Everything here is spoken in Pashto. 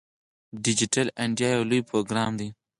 ډیجیټل انډیا یو لوی پروګرام دی.